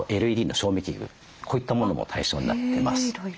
こういったものも対象になってます。